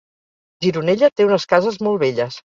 Gironella té unes cases molt velles